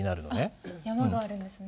山があるんですね。